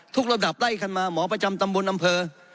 ระดับไล่คันมาหมอประจำตำบลอำเภอ